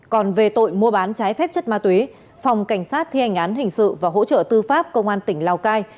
còn về tội mua bán trái phép chất ma túy phòng cảnh sát thi hành án hình sự và hỗ trợ tư pháp công an tỉnh lào cai